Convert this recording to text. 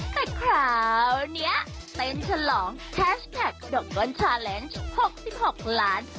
แค่คราวนี้เต้นฉลองแท็ชแท็กดกก้อนชาเลนจ์หกสิบหกล้าน